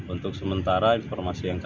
untuk sementara informasi yang kami